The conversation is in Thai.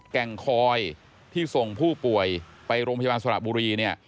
แกล้งคอยที่ส่งผู้ป่วยไปโรงพยาบาลสละบุรี